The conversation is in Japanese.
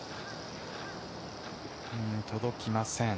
届きません。